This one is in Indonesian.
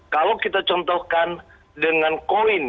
kalau kita contohkan dengan koin